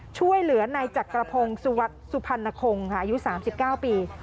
ช่วยเหลือในจักรพงศ์สุวรรษภรรณคงอายุ๓๙ปี